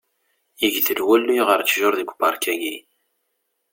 Igdel walluy ɣer ttjuṛ deg upark-ayi.